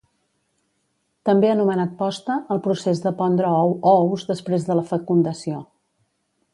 També anomenat posta al procés de pondre ou o ous després de la fecundació